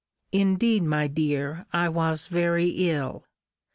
Indeed, my dear, I was very ill.